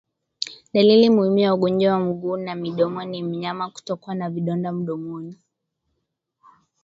Dalili muhimu ya ugonjwa wa miguu na midomo ni mnyama kutokwa na vidonda mdomoni